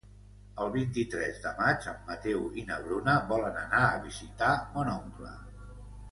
El vint-i-tres de maig en Mateu i na Bruna volen anar a visitar mon oncle.